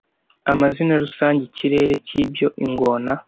Amazina rusange - Ikirere cyibyo Ingona